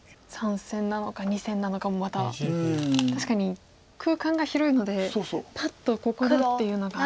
３線なのか２線なのかもまた確かに空間が広いのでパッとここだっていうのが。